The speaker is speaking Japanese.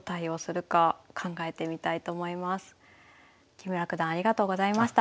木村九段ありがとうございました。